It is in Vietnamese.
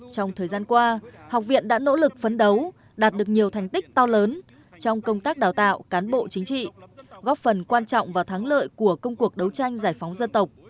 trong thời gian qua học viện đã nỗ lực phấn đấu đạt được nhiều thành tích to lớn trong công tác đào tạo cán bộ chính trị góp phần quan trọng và thắng lợi của công cuộc đấu tranh giải phóng dân tộc